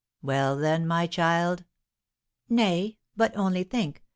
"Well, then, my child?" "Nay, but only think!